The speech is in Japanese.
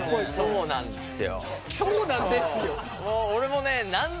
そうなんですね。